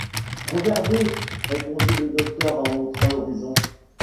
Regardez, répondit le docteur en montrant l’horizon.